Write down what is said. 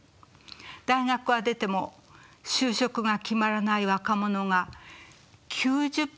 大学は出ても就職が決まらない若者が９０％以上でした。